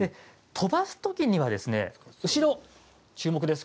飛ばすときには、後ろ注目です。